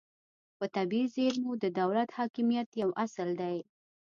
په طبیعي زیرمو د دولت حاکمیت یو اصل دی